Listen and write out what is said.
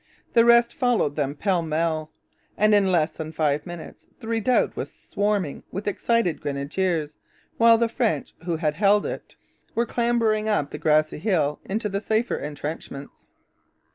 The rest followed them pell mell; and in less than five minutes the redoubt was swarming with excited grenadiers, while the French who had held it were clambering up the grassy hill into the safer entrenchments.